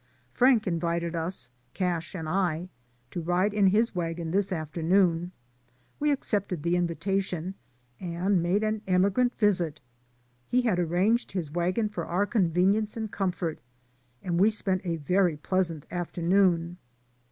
Frank invited us. Cash and I, to ride in his wagon this afternoon. We accepted the invitation, and made an emigrant visit. He had arranged his wagon for our convenience and comfort, and we spent a very pleasant afternoon.